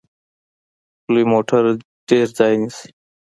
لوی موټر ډیر ځای نیسي.